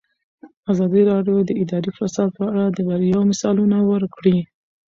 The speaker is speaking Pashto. ازادي راډیو د اداري فساد په اړه د بریاوو مثالونه ورکړي.